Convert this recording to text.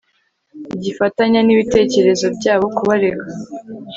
igafatanya n'ibitekerezo byabo kubarega